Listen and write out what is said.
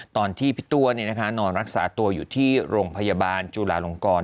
ตอนที่พี่ตัวนอนรักษาตัวอยู่ที่โรงพยาบาลจุลาลงกร